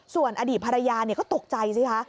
ส่วนอดีตภรรยาก็ตกใจสิคะ